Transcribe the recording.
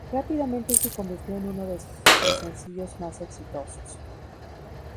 Rápidamente se convirtió en uno de sus sencillos más exitosos.